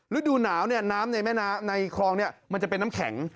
ฤดูหนาวเนี่ยน้ำในแม่น้ำในคลองเนี่ยมันจะเป็นน้ำแข็ง